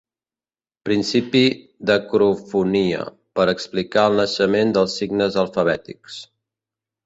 «principi d'acrofonia» per explicar el naixement dels signes alfabètics.